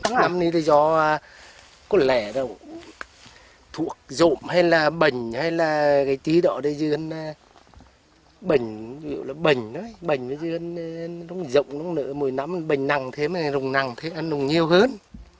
năm này do có lẽ thuộc rộm hay là bệnh hay là cái chí đó đây dươn bệnh bệnh nó dươn nó rộng nó nở mùi nắm bệnh nằm thêm rùng nằm thêm ăn nhiều hơn